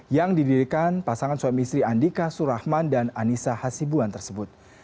yang didirikan pasangan suami istri andika surahman dan anissa hasibuan tersebut